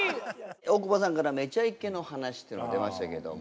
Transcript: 大久保さんから「めちゃイケ」の話っていうのが出ましたけども。